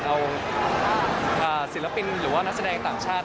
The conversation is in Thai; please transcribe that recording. เอาศิลปินหรือว่านักแสดงต่างชาติ